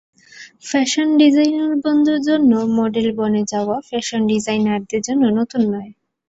fashion designer বন্ধুর জন্য model বনে যাওয়া ফ্যাশন ডিজাইনারদের জন্য নতুন নয়